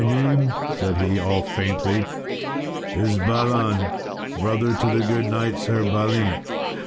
"My name," said he, all faintly, "is Balan, brother to the good knight Sir Balin."